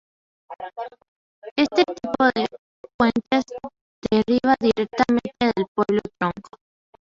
Este tipo de puentes deriva directamente del puente tronco.